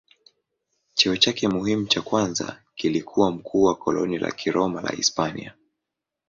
Cheo chake muhimu cha kwanza kilikuwa mkuu wa koloni la Kiroma la Hispania.